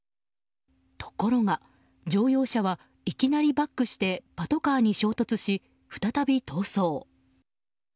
ところが、乗用車はいきなりバックしてパトカーに衝突し再び逃走。